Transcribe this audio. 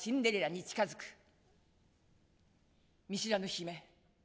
「見知らぬ姫。